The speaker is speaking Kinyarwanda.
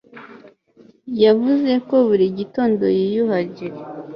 Yavuze ko buri gitondo yiyuhagira